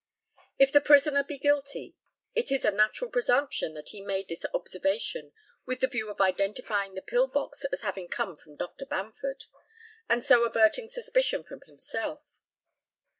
If the prisoner be guilty, it is a natural presumption that he made this observation with the view of identifying the pill box as having come from Dr. Bamford, and so averting suspicion from himself.